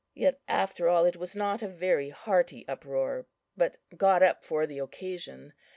Yet, after all, it was not a very hearty uproar, but got up for the occasion.